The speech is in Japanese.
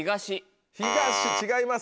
「東」違います。